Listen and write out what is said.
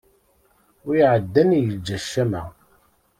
Wi iɛaddan yeǧǧa ccama.